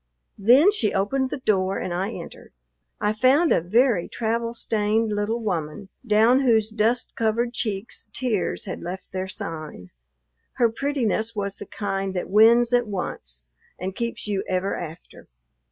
Then she opened the door, and I entered. I found a very travel stained little woman, down whose dust covered cheeks tears had left their sign. Her prettiness was the kind that wins at once and keeps you ever after.